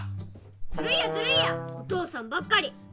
ずるいやずるいやお父さんばっかり。